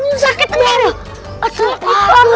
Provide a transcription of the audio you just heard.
aduh sakit tenaga